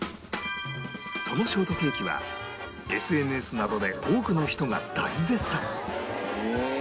そのショートケーキは ＳＮＳ などで多くの人が大絶賛